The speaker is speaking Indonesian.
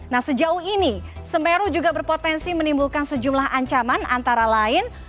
nah sejauh ini semeru juga berpotensi menimbulkan sejumlah ancaman antara lain